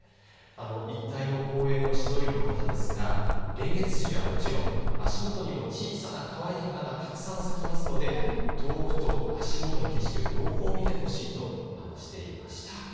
一帯の公園の指導員の方ですが、レンゲツツジはもちろん足下の小さなかわいい花がたくさん咲きますので、遠くと足下の景色を両方見てほしいと話していました。